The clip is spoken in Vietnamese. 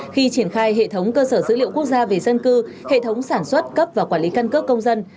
khi triển khai hệ thống cơ sở dữ liệu quốc gia về dân cư hệ thống sản xuất cấp và quản lý căn cước công dân